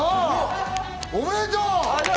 おめでとう！